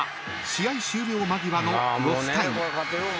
試合終了間際のロスタイム］